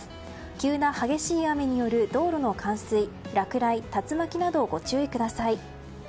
急な激しい雨による道路の冠水、落雷、竜巻などご注意ください。